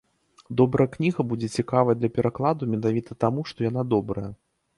Добрая кніга будзе цікавая для перакладу менавіта таму, што яна добрая.